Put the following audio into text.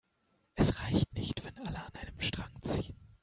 Es reicht nicht, wenn alle an einem Strang ziehen.